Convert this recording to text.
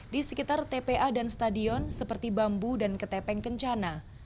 di sekitar tpa dan stadion seperti bambu dan ketepeng kencana